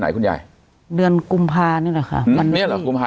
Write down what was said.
ไหนคุณยายเดือนกุมภานี่แหละค่ะวันนี้เหรอกุมภา